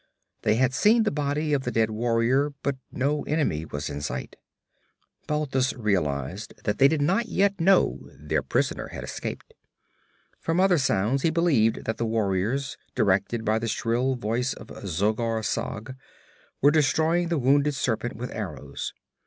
They had seen the body of the dead warrior. But no enemy was in sight. Balthus realized that they did not yet know their prisoner had escaped. From other sounds he believed that the warriors, directed by the shrill voice of Zogar Sag, were destroying the wounded serpent with arrows.